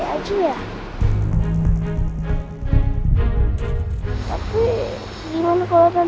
apa mendingan aku ke panti aja ya